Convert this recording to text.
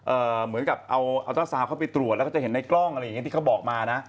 เหมือนกับเอาเอาเจ้าสาวเข้าไปตรวจแล้วก็จะเห็นในกล้องอะไรอย่างเงี้ที่เขาบอกมานะ